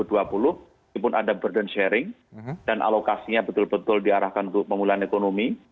walaupun ada burden sharing dan alokasinya betul betul diarahkan untuk pemulihan ekonomi